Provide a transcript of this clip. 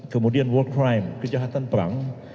kemudian work crime kejahatan perang